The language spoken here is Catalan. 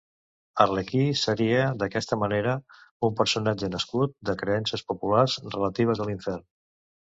Arlequí seria, d'aquesta manera, un personatge nascut de creences populars relatives a l'infern.